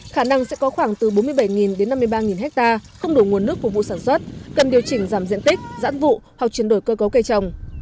khả năng sẽ có khoảng từ bốn mươi bảy đến năm mươi ba ha không đủ nguồn nước phục vụ sản xuất cần điều chỉnh giảm diện tích giãn vụ hoặc chuyển đổi cơ cấu cây trồng